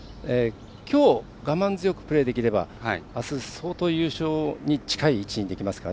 きょう、我慢強くプレーできればあす、相当優勝に近い位置にできますから。